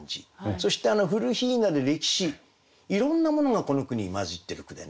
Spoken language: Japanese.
そして「古雛」で歴史いろんなものがこの句に混じってる句でね。